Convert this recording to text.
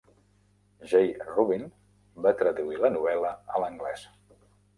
Jay Rubin va traduir la novel·la a l'anglès.